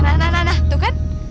nah nah nah nah tuh kan